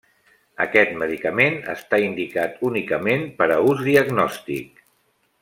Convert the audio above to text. Aquest medicament està indicat únicament per a ús diagnòstic.